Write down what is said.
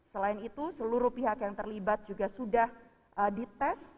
selain itu seluruh pihak yang terlibat juga sudah dites